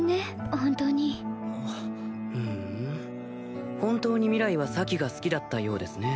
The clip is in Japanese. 本当にふん本当に明日は咲が好きだったようですね